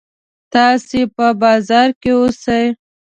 تاسې په بازار کې اوسئ.